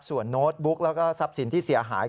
ส่วนโน้ตบุ๊กแล้วก็ทรัพย์สินที่เสียหาย